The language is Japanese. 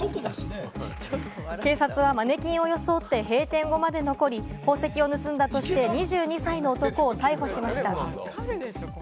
警察はマネキンを装って閉店後まで残り、宝石を盗んだとして２２歳の男を逮捕しました。